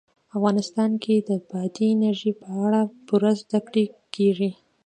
افغانستان کې د بادي انرژي په اړه پوره زده کړه کېږي.